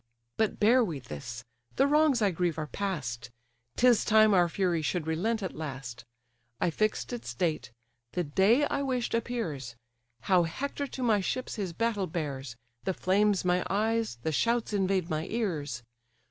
But bear we this—the wrongs I grieve are past; 'Tis time our fury should relent at last: I fix'd its date; the day I wish'd appears: How Hector to my ships his battle bears, The flames my eyes, the shouts invade my ears.